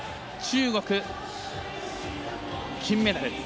中国、金メダル。